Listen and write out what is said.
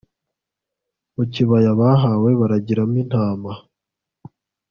mu kibaya bahawe baragiramo intama